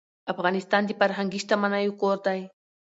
افغانستان د فرهنګي شتمنیو کور دی.